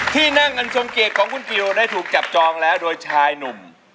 ที่นั่งอันทรงเกียรติของคุณกิวได้ถูกจับจองแล้วโดยชายหนุ่ม